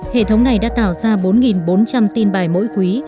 hệ thống này đã tạo ra bốn bốn trăm linh tin bài mỗi quý